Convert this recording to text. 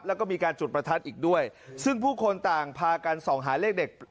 แล้วก็มีการจุดประทัดอีกด้วยซึ่งผู้คนต่างพากันส่องหาเลขเด็ด